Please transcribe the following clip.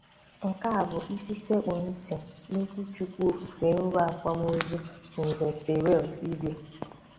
Nke a bụ isi sekpụ ntị n'okwuchukwu ofufè nro akwamozu Nze Cyril Igwe